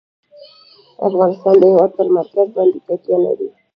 افغانستان د هېواد پر مرکز باندې تکیه لري.